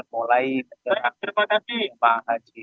mulai terakhir pada jemaah haji